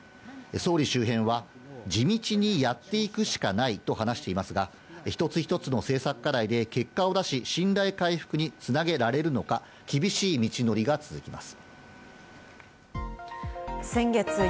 総理周辺は地道にやっていくしかないと話していますが、一つ一つの政策課題で結果を出し、信頼回復に繋げられるのか、厳しい道のりが続きます。